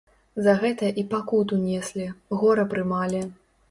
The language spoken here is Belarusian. За гэта і пакуту неслі, гора прымалі.